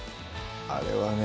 あれはね